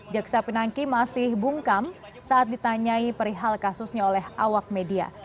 jaksa pinangki masih bungkam saat ditanyai perihal kasusnya oleh awak media